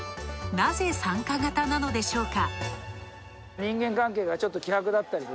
ナゼ、参加型なのでしょうか？